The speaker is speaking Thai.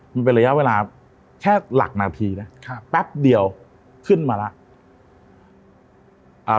มันเป็นระยะเวลาแค่หลักนาทีนะแป๊บเดียวขึ้นมาแล้ว